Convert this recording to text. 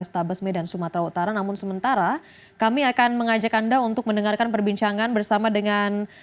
stabes medan sumatera utara namun sementara kami akan mengajak anda untuk mendengarkan perbincangan bersama dengan